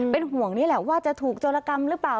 เป็นห่วงนี่แหละว่าจะถูกโจรกรรมหรือเปล่า